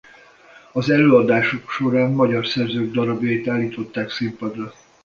Az előadások során magyar szerzők darabjait állították színpadra.